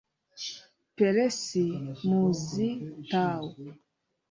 Percy Muzi Tau